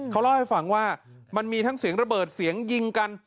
เขาเล่าให้ฟังว่ามันมีทั้งเสียงระเบิดเสียงยิงกัน